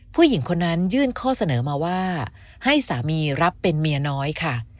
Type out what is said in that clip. ผู้หญิงคนนั้นยื่นข้อเสนอมาว่าให้สามีรับเป็นเมียน้อยค่ะ